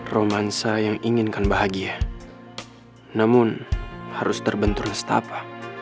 romansa yang inginkan bahagia namun harus terbentur setapa